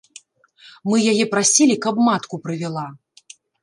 Мы яе прасілі, каб матку прывяла.